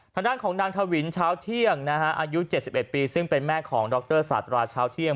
ทางด้านของนางทวินเช้าเที่ยงอายุ๗๑ปีซึ่งเป็นแม่ของดรสาตราเช้าเที่ยง